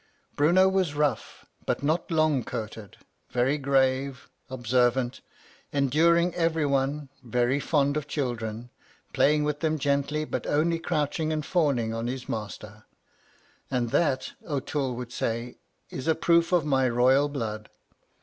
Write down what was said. Bruno was rough, but not long coated, very grave, observant, enduring every one, very fond of children, playing with them gently, but only crouching and fawning on his master; 'and that,' O'Toole would say, 'is a proof of my royal blood.'